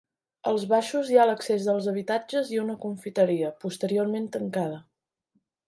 Als baixos hi ha l'accés als habitatges i una confiteria, posteriorment tancada.